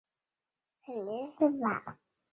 单斑豆娘鱼为雀鲷科豆娘鱼属的鱼类。